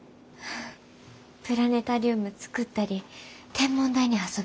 プラネタリウム作ったり天文台に遊びに行ったり。